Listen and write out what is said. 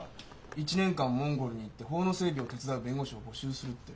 １年間モンゴルに行って法の整備を手伝う弁護士を募集するって。